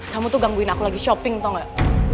kamu tuh gangguin aku lagi shopping tau gak